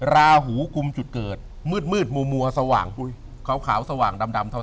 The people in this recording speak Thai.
ราหูกุมจุดเกิดมืดมัวสว่างขาวสว่างดำเท่า